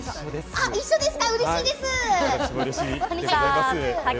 一緒です。